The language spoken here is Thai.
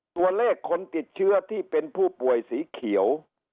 ตัวเลขคนติดเชื้อที่เป็นผู้ป่วยสีเขียว